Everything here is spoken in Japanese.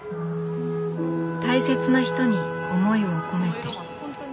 大切な人に思いを込めて。